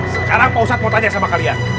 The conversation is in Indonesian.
sekarang mau saya tanya sama kalian